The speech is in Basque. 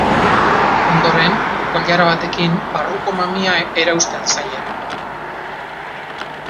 Ondoren, koilara batekin barruko mamia erauzten zaie.